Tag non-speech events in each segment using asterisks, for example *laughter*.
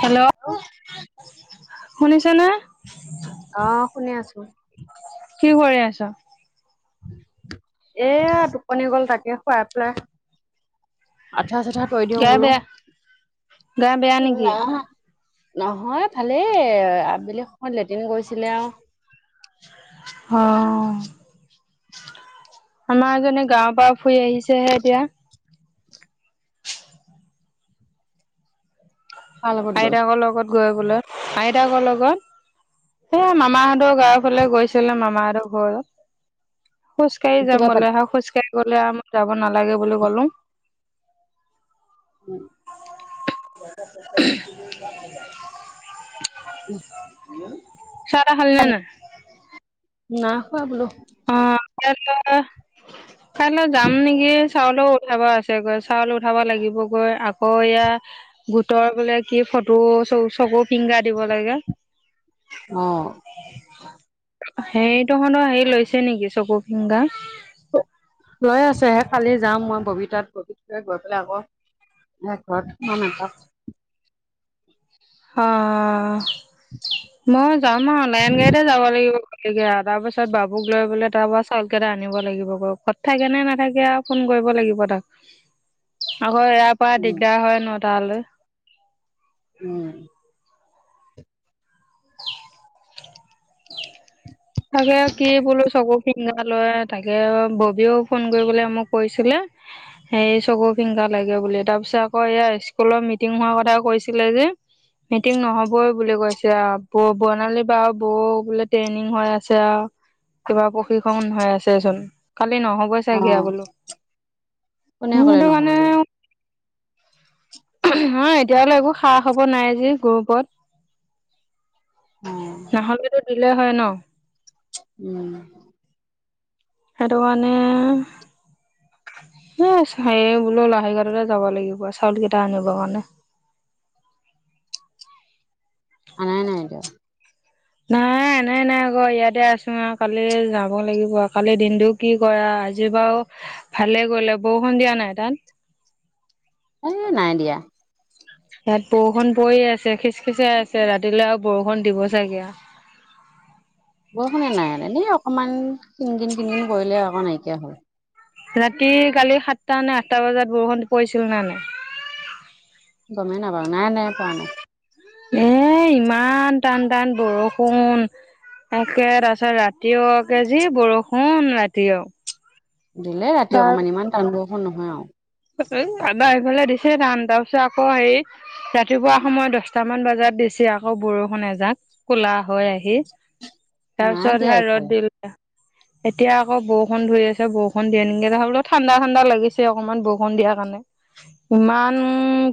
Hello, শুনিছা ন? অ', শুনি আছোঁ। কি কৰি আছ? এয়া টোপনি গ'ল তাকে খুৱাই পেলাই আঠা চাঠা থৈ দিওঁ গা বোলো বেয়া গা বেয়া নেকি? না নহয় ভালেই আবেলি সময়ত লেট্ৰিন গৈছিলে, আউ। হ অ'। আমাৰ এজনী গাঁৱৰ পৰা ফুৰি আহিছেহে এতিয়া। কাৰ লগত গ'ল আইতাকৰ লগত গৈ বোলে, আইতাকৰ লগত। এইয়া মামাহঁতৰ গাঁৱৰ ফালে গৈছিলে, মামাহঁতৰ ঘৰত। খোজ কঢ়ি যাম কিবা বলৈ পাতি আহা খোজ কাঢ়ি গ'লে আৰু মই যাব নালাগে বুলি কলোঁ। উম'। চা তা খালি নে নাই? নাই খোৱা বোলো। অ', কাইলৈ কাইলৈ যাম নেকি। চাউলও উঠাব আছেগৈ চাউল উঠাব লাগিব গৈ আকৌ এয়া গোটৰ বোলে কি ফটো চ-চকু ফিংগাৰ দিব লাগে। অ'। সেইটোহঁতৰ হেৰি লৈছে নেকি চকু ফিংগাৰ? লৈ আছে কালি যাম মই ববিতাত ববিত্ৰ গৈ পেলাই আকৌ এ ঘৰত সুমাম এপাক। অ'। *inaudible* মই যাম আৰু লাইন গাড়ীতে যাব লাগিব, গতিকে তাৰ পিছত বাবুক লৈ বোলে তাপা চাউল কেইটা আনিব লাগিব ঘৰত থাকে নে নাথাকে আৰু ফোন কৰিব লাগিব তাক। আকৌ ইয়াৰ পৰা উম দিগদাৰ হয় ন তালৈ। উম। *inaudible* তাকে কি বোলো চকু ফিংগাৰ লয়, তাকে ববিওঁ ফোন কৰিবলে মোক কৈছিলে। হেৰি চকু ফিংগাৰ লাগে বুলি, তাৰ পিছত আকৌ ইয়াৰ স্কুলৰ মিটিং হোৱাৰ কথা কৈছিলে যে। মিটিং নহ'বই বুলি কৈছে আউ, ব-বৰ্ণালীৰ বা ব বোলে ট্ৰেইনিং হৈ আছে। ছে কিবা প্ৰশিক্ষণ হৈ আছেচোন। কালি নহ'বই অ চাগে আও বোলো কোনে ক'লে সিহঁতে নহয় মানে বুলি অ', এতিয়ালে একো খা খবৰ নাই আজি গ্ৰুপত। অ নহ'লেতো দিলে হয় ন। উম। সেইটোকাৰণে। এ, সেই বোলো লাহৰি ঘাটতে যাব লাগিব চাউল কেইটা আনিব কাৰণে। আনাই নাই এতিয়াওঁ? নাই। আনাই নাই আকৌ ইয়াতে আছোঁ আৰু কালি যাব লাগিব, কালি দিনটো কি কৰা আজি বাৰু ভালে গ'লে বৰষুণ দিয়া নাই তাত? এই নাই দিয়া। ইয়াত বৰষুণ পৰি আছে খিচখিচে আছে, ৰাতিলৈ আৰু বৰষুণ দিব চাগে আৰু। বৰষুণে নাইনে অকণমান কিনকিন, কিনকিন কৰিলে আকৌ নাইকিয়া হল। ৰাতি কালি সাতটা নে আঠটা বজাত বৰষুণ পৰিছিল নে নাই? গ'মেই নাপাওঁ নাই, নাই পৰা নাই। এ, ইমান টান, টান বৰষুণ। তাকে তাৰপিছত ৰাতিও কি বৰষুণ ৰাতিও। দিলে ৰাতি অকমান ইমান টান বৰষুন নহয় আৰু। দাদাৰ এইফালে দিছে তান, তাৰপিছত আকৌ হেৰি ৰাতিপুৱা সময় দশটা আঠ মান বজাত দিছে আকৌ বৰষুণ এজাক ক'লা হয় আহি। তাৰ নাই পিছত দিয়া সে ৰ'দ এইফালে দিলে। এতিয়া আকৌ বৰষুণ ধৰি আছে, বৰষুণ দিয়ে নিদিয়ে, তাৰ পৰা ঠাণ্ডা ঠাণ্ডা লাগিছে অকনমান ব বৰষুণ দিয়াৰ কাৰণে। ইমান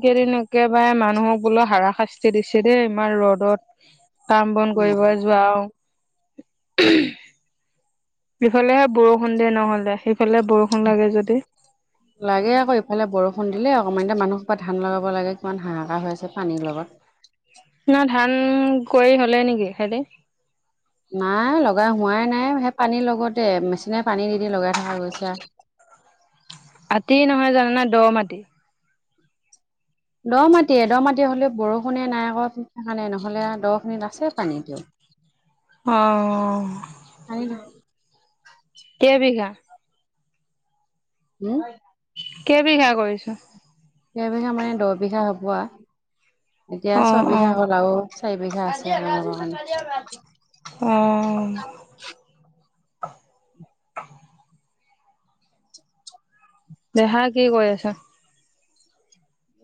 কেইদিন একেবাৰে মানুহক বোলো হাৰা শাস্তি দিছে দেই ইমান ৰ'দত। কাম বন উম কৰিবএ যোৱা আৰু। ইফালেহে বৰষুণ দিয়ে নহ'লে সিফালে বৰষুণ লাগে যদি লাগে আকৌ ইফালে বৰষুণ দিলে অকণমান, এতিয়া মানুহহোপাই ধান লগাব লাগে কিমান হাহাকাৰ হৈ আছে পানীৰ লগত। ন ধান কৰি হ'লে নেকি সিহঁতি নাই লগাই হোৱাই নাই, সেই পানীৰ লগতে মেচিনেৰে পানী দি দি লগাই থকা গৈছে। আতি নহয় জাননে দ' মাটি। দ' মাটিয়ে, দ' মাটি হ'লে বৰষুণে নাই আকৌ সেই কাৰণে নহ'লে দ' খিনিত আছে পানীটো। অঁ। *inaudible* কেই বিঘা? উম। কেই বিঘা কৰিছ? কেই বিঘা মানে দহ বিঘা হ'ব আৰু এতিয়া অ ছয় অ বিঘা হ'ল আৰু। চাৰি বিঘা আছে আমাৰ ভাগত মানে। উম। দেহাই কি কৰি আছে?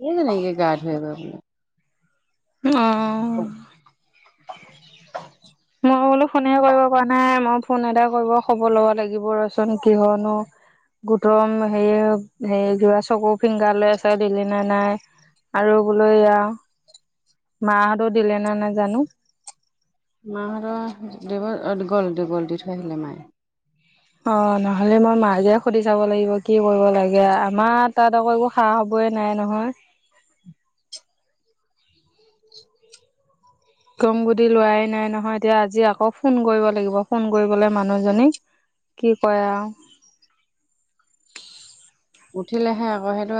এই যেনকে গা ধুৱা অ'। মই বোলো ফোনে কৰিব পৰা নাই। মই ফোন এটা কৰিব খবৰ ল'ব লাগিব ৰচোন কিহৰনো গোটৰ হেৰি হে কা চকু, ফিংগাৰ লৈ আছে দিলি নে নাই? আৰু বোলো এয়া মাহঁতৰ দিলে নে নাই জানো। মাহঁতৰ দি গ'ল, দি গ'ল, দি থৈ আহিলে মায়ে। অ', নহ'লে মই মাকে সুধি চাব লাগিব। কি কৰিব লাগে, আমাৰ তাত আকৌ খা-খবৰে নাই নহয়। *inaudible* গম গতি লোৱাই নাই নহয়। এতিয়া আজি আকৌ ফোন কৰিব লাগিব। ফোন কৰিবলৈ মানুহজনীক কি কয় আৰু উঠিলেহে আকৌ সেইটো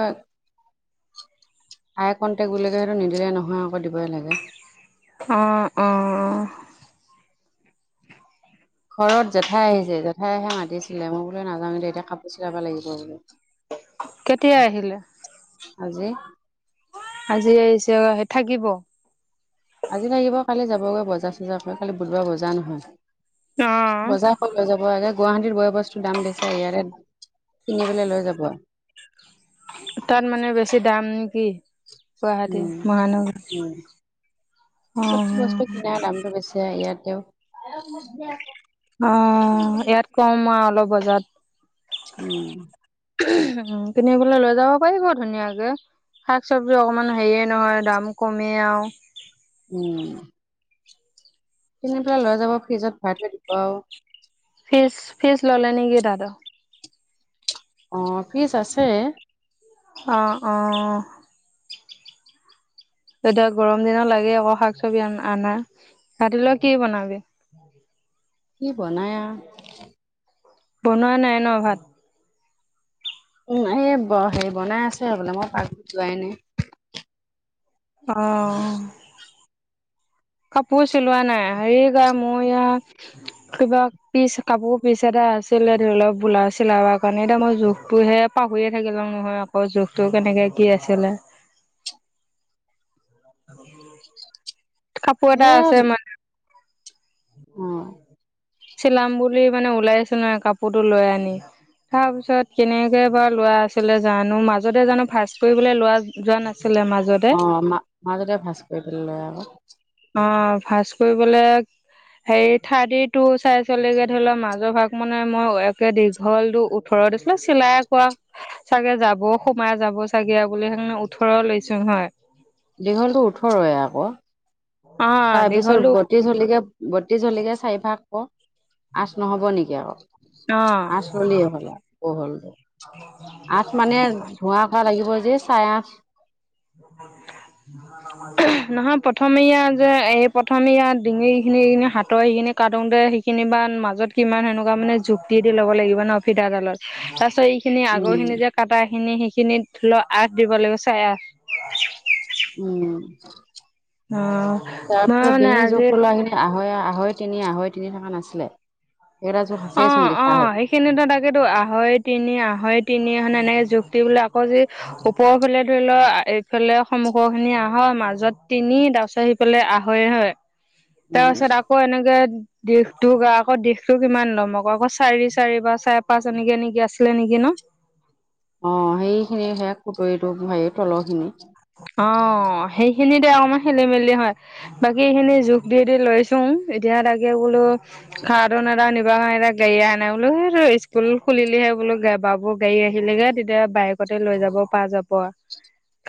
আই কণ্টেক্ট বুলি কয় সেইটো নিদিলে নহয় আকৌ দিবই লাগে। অ', অ'। ঘৰত জেঠাই আহিছে, জেঠাই আহি মাতিছিলে, মই বোলো নাযাও দে এতিয়া কাপোৰ চিলাব লাগিব বোলো। কেতিয়া আহিলে? আজি। আজি আহিছে। *unintelligible* থাকিব? আজি থাকিব, কালি যাবগৈ বজাৰ চজাৰ কৰি, কালি বুধবাৰ বজাৰ নহয়। বজাৰ লৈ যাব আগে, গুৱাহাটীৰ বয় বস্তুৰ দাম বেছি, ইয়াৰে কিনি পেলাই লৈ যাব। তাত মানে বেছি দাম নেকি, গুৱাহাটী উম মহানগৰী উম চব বস্তু কিনা দামটো বেছি ইয়াতেও অ', ইয়াত কওঁ মই অলপ বজাত উম। *unintelligible* বলে লৈ যাব পাৰিব ধুনীয়াকে। শাক চবজি অকমান হেৰিয়ে নহয় দাম কমেই আৰু উম। কিনি পেলে লৈ যাব। ফ্ৰিজত ভৰাই থৈ দিব আৰু ফিজ-ফিজ ল'লে নেকি দাদো? অ', ফিচ আছে। অ', অ'। এতিয়া গৰম দিনত লাগে আকৌ শাক চবজি আনা। ৰাতি লও কি বনাবি? *inaudible* কি বনাই অ। বনোৱা নাই ন ভাত? উম, এই হেৰি বনাই আছে। হবলা মই পাকঘত যোৱাই নাই। অ'। কাপোৰ চিলোৱা নাই হেৰি গ মু ইয়া কিবা পিচ কাপোৰ পিচ এটা আছিলে। ধৰি লওক ব্লাউজ চিলাবৰ কাৰণে এতিয়া মই জোখটোহে পাহৰিয়ে থাকিলেও নহয়, আকৌ জোখটো কেনেকে কি আছিলে। কাপোৰ এটা এ আছে মানে অ চিলাম বুলি মানে ওলাই আছো নহয় কাপোৰটোো লৈ আনি। তাৰ পিছত কেনেকে বাৰু লৰা আছিলেজানো মাজতে জানো ফাৰ্ষ্ট কৰিবলৈ লোৱা যোৱা না অ', মা মাজতে ভাজ কৰি পেলে লয়। অ', ভাজ কৰিবলে হে থাৰ্ডি টো চাই চলিগে ধৰি লও মাজৰ ভাগ মানে মই একে দীঘলটো ঘৰত দিছিলে চিলাই কোৱা চাগে যাব সোমাই যাব চাগে বুলি সেইে ওঠৰ লৈছো নহয়। দীঘলতটো ওঠৰয়ে আকৌ। অ তাৰ পিছত দীঘলো বত্ৰিশ হলকে বত্ৰিশ হলকে চাৰি ভাগ ক। আঁচ নহব নেকি আৰু অ আঁচ ললিয় হ'ল আৰু বহল টো। *inaudible* ভাল লাগিব যে চাৰে আঠ *inaudible* নহয় প্ৰথমে ইয়াত যে এই প্ৰথমে ইয়াত ডিঙিখিনি এইখি হাতৰ এইখিনি কটোতে সেইখিনি বা মাজত কিমান সেনেকুৱা মানে যুক্ত দি ল'ব লাগিব ন ফিতাডালত। তাৰ পিছত এইখিনি আগৰ উম খিনি যে কটা খিনি সেইখিনিত ধৰি লও আঠ দিব লাগিব চাই আঠ। উম, অ মই তাৰপছত মানে ডিঙি আজি জোকটো লাগে। আহে আহৈ তিনি আহৈ তিনি থকা নাছিলে। সেইটা জোখ আছেচোন লিখা হয়। সনেত তাকেতো আঢ়ৈ তিনি আঢ়ৈ তিনি মানে এনেকৈ যুক্তিবিলাক আকৌ যি ওপৰৰ ফালে ধৰি লও এইফালে সন্মুখ খিনি আহ হয়। মাজত তিনি তাৰ পিছত লে আহয়ে হয়। তাৰ উম পাছত আকৌ এনেকে দিশটো আকৌ দিশ টো কিমান দম আকৌ আকৌ চাৰি চাৰি বা চাৰে পাঁচ এনেকে একি আছিলে। নেকি ন? অ', সেই খিনি সে খুতুৰৰিটো হেৰিত অ', সেইখিনিতে অকমান খেলি মেলি হয়। বাকী এইখিনি জোখ দি দি লৈছো এতিয়া তাকে বোলো খাৰ ধন এটা নিবা এতি গেৰি নাই বোলো সেই স্কুল খুলিলিহে বোলো গে বাবোৰ গাড়ী আহিলেগে তেতিয়া বাইকতে লৈ যাব পা যাব।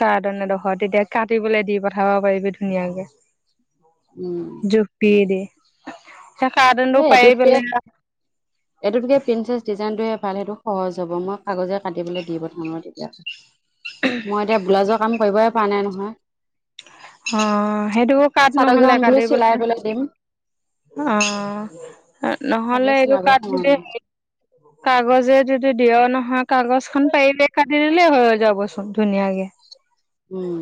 কাৰ ধণেডোখৰ তেতিয়া কাটিবলৈ দি পঠাব পাৰিবি ধুনীয়াকে। উম। জোখ দি দি। সেই কাৰ্টনটো এ পাৰি এইটোত কে পেলাই *inaudible* এইটো তেতিে প্ৰিচেছ ডিজাইনটোহে ভাল সেইটো সহজ হ'ব মই কাগজে কাটিবলৈ দি প্ৰথানৰ তেতিয়া। মই এতিয়া বোলাাজৰ কাম কৰিবই পৰা নাই নহয়। অ সেইটোকো কাট চাদৰ নহলে কেইখন বোলো কাটব, চিলাই পেলাই দিম অ। তাকে নহ'লে এইটো চিলাব কাট সময় নাই *unintelligible* কাগজে যদি দিয় নহয়, কাগজ খ পাৰিলে কাটি দিলেই হৈ হৈ যাবচোন ধুনীয়াকে উম,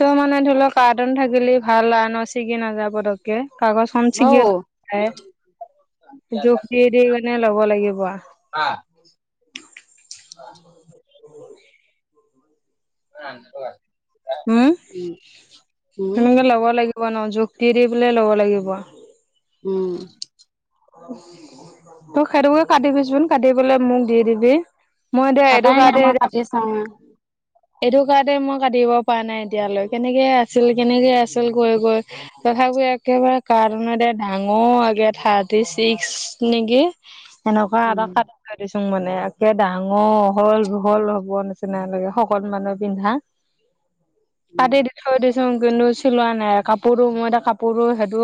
তো মানে ধৰি লওক কাৰ্ন থাকিলি ভাল আৰু ন ছিগি নাযা পদক কাগজখনঞ্চি অঔ য জোখ দিয়ে দি কেনে ল'ব লাগিব অ', উ অ', উম, উম সেনেকে ল'ব লাগিব ন জখ দি দি পেলাই ল'ব লাগিব উম, তোক সেইটোকে কাটিবিচোন কাটি পলে মোক দি দিবি- মই দো এইটো কটাই কাৰ নাই দে মই এ কাটি চাওঁ এইটো কাৰতে মই কাটিব পৰা নাই এতিয়ালৈ কেনেকে আছিল কেনেকে আছিল গৈ গৈ তথাপিও একেবাৰে কাৰ্টন দ ডাঙৰ আগে ঠাই থি ছিক্স নেকি, এনেকুৱা আধাৰ উম কাৰ দি চং মানে একে ডাঙৰ অল বহল হব নিচিনাকে সকলো মানুহে পিন্ধা উম ততে দিছ দি চ চিলোৱা নাই কাপোৰো মই এতি কাপোৰো সেইটো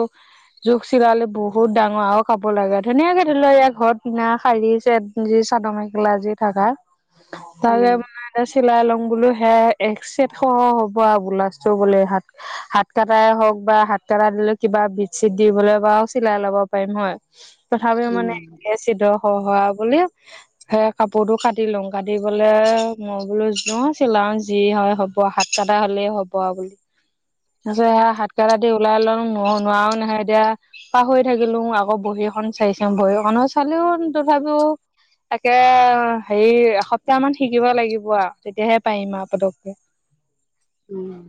জোখ চিলালে বহুত ডাঙৰ হওক খাব লগাগা ধুনীয়াকে ধৰি লও ই ঘৰত দিনা শাৰী চেদ যি চাদৰ মেখেলা যি থকা তে উম মানে এ চিলাই লম বোলো সে এক চেট সহ হ'ব আৰু ব্লাউজটো বোলে হাত হাত কটাই হওক বা হাত কটা দিলে কিবা বিড চিট দিবলে বা চিলাই লব পাৰিম হয় তথাপিও উম মানে চিদ খ হোৱা বুলি সেই কাপোৰতটো কাটি লওঁ কাটি পলে মই বোলো চিলাও যি হয় হ সাত চটা হ'লে হ'ব আৰু বুলি তাৰপিছত হাত কটা দি ওলাই ল ন নোৱাৰও নাহে এতিয়া পাহৰি থাকিলো আকৌ বৰি এখনন চাইছে বহী খো চালেও তথাপিও তাকে, হেৰি এসপ্তাহ মান শিকিব লাগিব আৰু তেতিয়াহে পাৰিমা পদকে উম,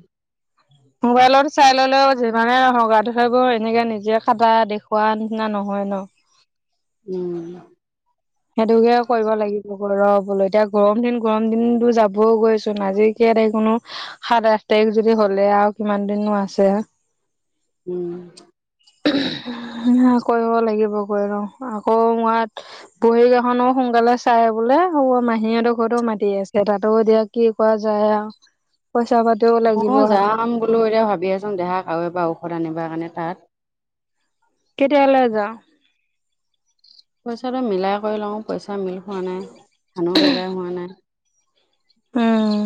মোবাইলত চাই ললেও যিমানে সগ ধবোৰ এনেকে নিজে খাটা দেখুৱ না নহয় ন উম, সেইটোকে কৰিব লাগিব গ ৰ হবলৈ এতিয়া গৰম দিন গৰম দিনতো যাবও গৈচোন আজি ত কোনো সাত আঠ তাৰিখ যদি হলে আৰু কিমান দিনো আছে উম, কৰিব লাগিব গৈ আৰু আকৌ মাত বুহি গাখনো সোনকালে চাই বোলে, ও মাহীহঁতৰ ঘৰতো মাতি আছে তাতো এতিয়া কি কৰা যায় আৰ ময় যাম বোলো, এতিয়া ভাবি আচোন দেহাক আৰু এবাৰ ঔষধ আনিবা কাৰণে তাত। কেতিয়ালৈ যাওঁ। পইচাটো মিলাই কৰি লও, পইচা মিল হোৱা নাই। ধানো লগাই হোৱা নাই। উম।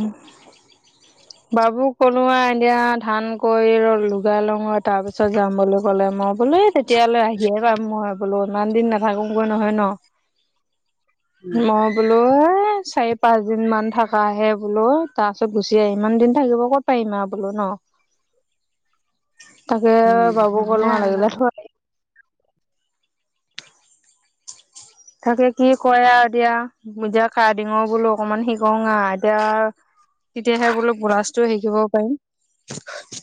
বাবু কলোআ এতিয়া ধান কৰি ৰ লগুাই লঙত তাৰপিছত যাম বুলি ক'লে। মই বোলে ইছ তেতিয়ালৈ আহিয়ে পাম মই বোলো ইমান দিন নাথাকোগৈ নহয় ন'। ম বোলোএ চাৰি পাঁচ দিন মান থকাহে বোলো তাৰ পিছত গুচি আহি, ইমান দিন থাকিব ক'ত পাৰিমা বোলো ন', তাকে বাবু কলো নালাগে দে থ তাকে কি কৰে আৰু দিয়া, এদিয়া কাৰ্ডিঙৰ বোলো অকমান হে গঙা এতিয়া তেতিয়াহে বোলো গুৰাজটো শিকিব পাৰিম।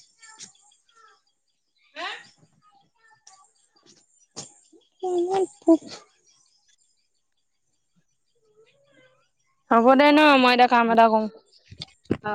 *unintelligible* হ'ব দে ন' মই এতিয়া কাম এটা কৰোঁ। অ'।